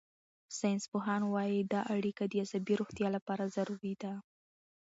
ساینسپوهان وايي دا اړیکه د عصبي روغتیا لپاره ضروري ده.